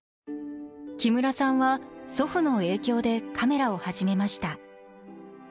木村さんは祖父の影響でカメラを始めました。